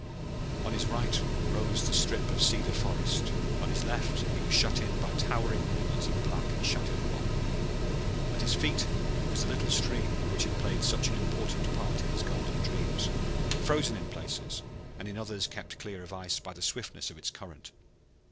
On his right rose the strip of cedar forest; on his left he was shut in by towering walls of black and shattered rock. At his feet was the little stream which had played such an important part in his golden dreams, frozen in places, and in others kept clear of ice by the swiftness of its current.